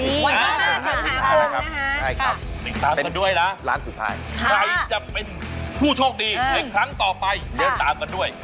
ที่ได้รับรถมรถไทยคันวิธี๖๕